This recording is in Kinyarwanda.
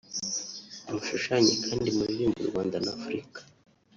mushushanye kandi muririrmbe u Rwanda na Afrika